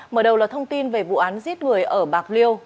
mở đầu là thông tin về vụ án giết người ở bạc liêu